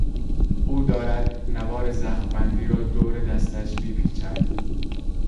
او دارد نوار زخمبندی را دور دستش میپیچد.